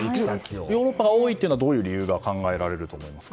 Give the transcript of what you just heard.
ヨーロッパが多いというのはどういう理由が考えられると思いますか。